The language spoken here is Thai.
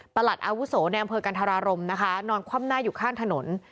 หลัดอาวุโสในอำเภอกันธรารมนะคะนอนคว่ำหน้าอยู่ข้างถนน